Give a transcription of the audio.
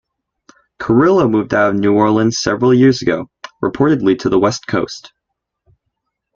Carrillo moved out of New Orleans several years ago, reportedly to the West Coast.